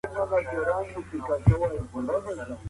کېدای سي تياری کمزوری وي.